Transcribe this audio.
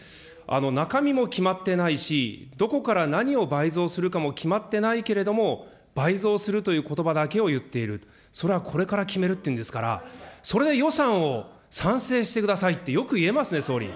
中身も決まってないし、どこから何を倍増するかも決まってないけれども、倍増するということばだけを言っている、それはこれから決めるっていうんですから、それで予算を賛成してくださいって、よく言えますね、総理。